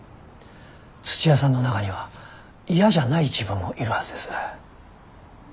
土屋さんの中には嫌じゃない自分もいるはずです。